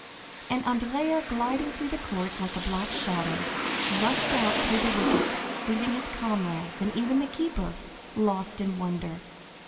And Andrea, gliding through the court like a black shadow, rushed out through the wicket, leaving his comrades, and even the keeper, lost in wonder.